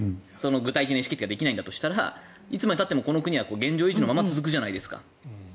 具体的な意思決定ができないとしたらいつまでたってもこの国は現状維持が続くじゃないですか。